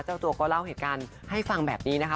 เจ้าตัวก็เล่าเหตุการณ์ให้ฟังแบบนี้นะคะ